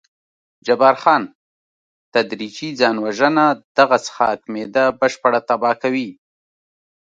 جبار خان: تدریجي ځان وژنه، دغه څښاک معده بشپړه تباه کوي.